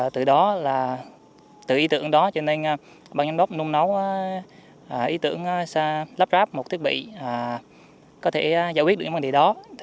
từ ý tưởng đó cho nên bác giám đốc luôn nói ý tưởng lắp ráp một thiết bị có thể giải quyết những vấn đề đó